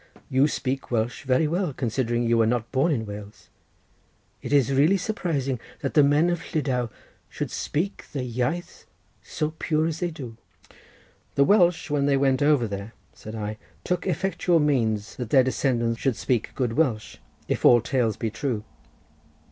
"You speak Welsh very well, considering you were not born in Wales. It is really surprising that the men of Llydaw should speak the iaith so pure as they do." "The Welsh, when they went over there," said I, "took effectual means that their descendants should speak good Welsh, if all tales be true."